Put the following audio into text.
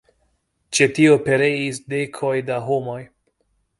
Ĉe tio pereis dekoj da homoj.